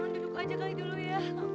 capek banget nih